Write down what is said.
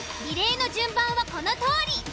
リレーの順番はこのとおり。